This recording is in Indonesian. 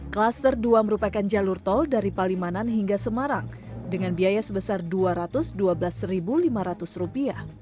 klaster dua merupakan jalur tol dari palimanan hingga semarang dengan biaya sebesar rp dua ratus dua belas lima ratus